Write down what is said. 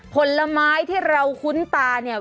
ผลไม้ที่เราคุ้นตาเนี่ย